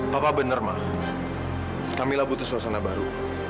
papa bener ma camilla butuh suasana baru